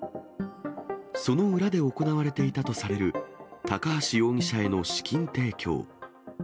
その裏で行われていたとされる、高橋容疑者への資金提供。